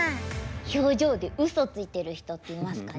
表情で嘘ついている人っていますかね？